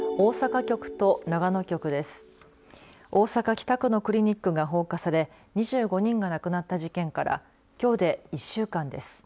大阪、北区のクリニックが放火され２５人が亡くなった事件からきょうで１週間です。